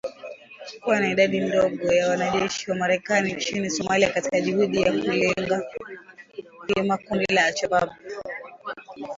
kuwa na idadi ndogo ya wanajeshi wa Marekani nchini Somalia katika juhudi za kulilenga vyema kundi la al-Shabaab